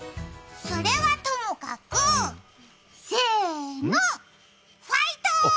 それはともかく、せーの、ファイト！